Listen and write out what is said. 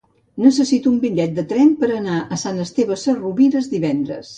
Necessito un bitllet de tren per anar a Sant Esteve Sesrovires divendres.